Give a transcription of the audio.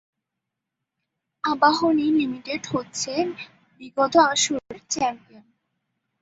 Abahani limited হচ্ছে বিগত আসরের চ্যাম্পিয়ন।